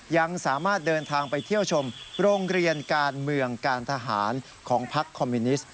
ยังสามารถเดินทางไปเที่ยวชมโรงเรียนการเมืองการทหารของพักคอมมิวนิสต์